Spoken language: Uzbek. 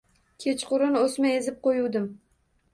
Kechqurun o‘sma ezib qo‘yuvdim.